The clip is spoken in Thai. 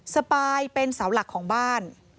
สปายเป็นเสาหลักของบ้าน